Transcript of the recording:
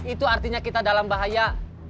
itu artinya kita dalam bahaya